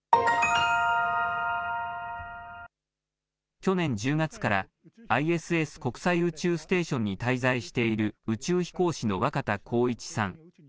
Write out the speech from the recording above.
去年１０月から、ＩＳＳ・国際宇宙ステーションに滞在している宇宙飛行士の若田光一さん。